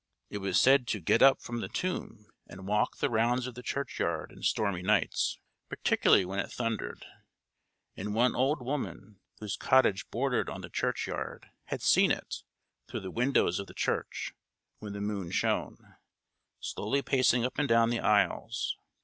It was said to get up from the tomb and walk the rounds of the churchyard in stormy nights, particularly when it thundered; and one old woman, whose cottage bordered on the churchyard, had seen it, through the windows of the church, when the moon shone, slowly pacing up and down the aisles.